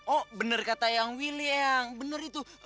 oh bener kata eang willy eang bener itu